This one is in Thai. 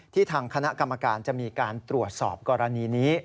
ทางคณะกรรมการจะมีการตรวจสอบกรณีนี้